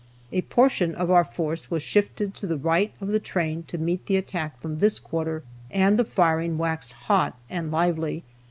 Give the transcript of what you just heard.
A portion of our force was shifted to the right of the train to meet the attack from this quarter, and the firing waxed hot and lively.